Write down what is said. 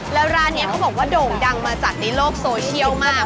แล้วร้านนี้เขาบอกว่าโด่งดังมาจากในโลกโซเชียลมาก